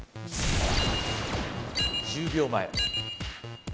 １０秒前。